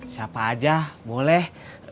siapa aja boleh